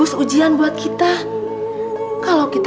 orang sepatu yah suami